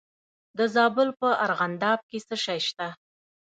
د زابل په ارغنداب کې څه شی شته؟